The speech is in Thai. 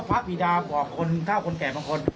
พระบิดาบอกคนเท่าคนแก่บางคน